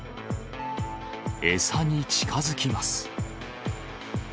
餌に近づきます。